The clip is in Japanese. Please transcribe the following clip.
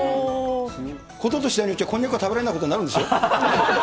事と次第によっちゃこんにゃくが食べられないことになるんですよ。